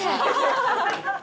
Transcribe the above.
ハハハハ！